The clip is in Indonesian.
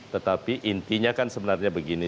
tetapi intinya kan sebenarnya begini